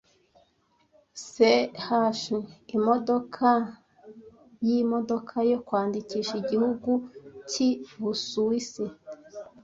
CH imodoka yimodoka yo kwandikisha igihugu ki Busuwisi